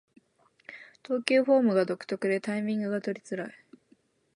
投球フォームが独特でタイミングが取りづらい